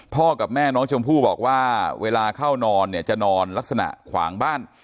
กับแม่น้องชมพู่บอกว่าเวลาเข้านอนเนี่ยจะนอนลักษณะขวางบ้าน